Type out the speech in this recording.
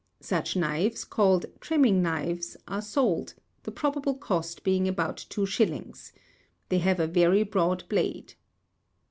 Such knives, called trimming knives, are sold, the probable cost being about two shillings. They have a very broad blade.